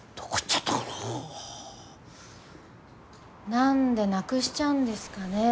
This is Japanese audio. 何でなくしちゃうんですかね